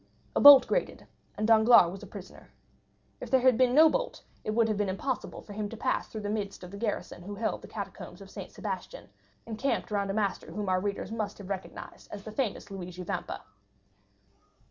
A bolt grated and Danglars was a prisoner. If there had been no bolt, it would have been impossible for him to pass through the midst of the garrison who held the catacombs of St. Sebastian, encamped round a master whom our readers must have recognized as the famous Luigi Vampa.